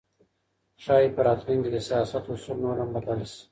ښايي په راتلونکي کي د سياست اصول نور هم بدل سي.